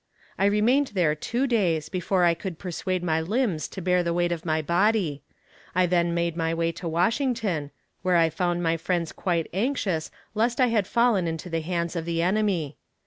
I remained there two days before I could persuade my limbs to bear the weight of my body. I then made my way to Washington, where I found my friends quite anxious lest I had fallen into the hands of the enemy.